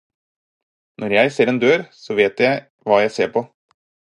Når jeg ser en dør, så vet jeg hva jeg ser på.